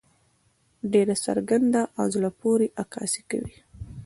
ډېره څرګنده او زړۀ پورې عکاسي کوي.